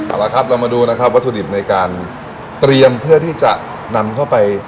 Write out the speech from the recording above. เอาละครับเรามาดูนะครับวัตถุดิบในการเตรียมเพื่อที่จะนำเข้าไป